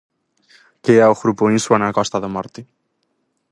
Que é o grupo Insua na Costa da Morte?